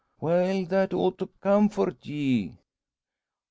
"Well, that ought to comfort ye."